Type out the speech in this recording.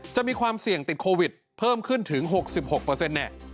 จะมีความเสี่ยงติดโควิด๑๙เพิ่มขึ้นถึง๖๖เปอร์เซ็นต์แน่